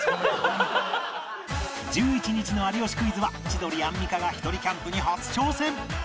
１１日の『有吉クイズ』は千鳥アンミカがひとりキャンプに初挑戦！